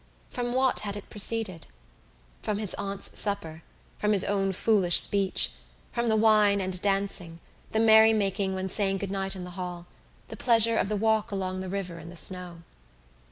From what had it proceeded? From his aunt's supper, from his own foolish speech, from the wine and dancing, the merry making when saying good night in the hall, the pleasure of the walk along the river in the snow.